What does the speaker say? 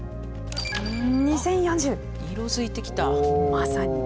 まさに。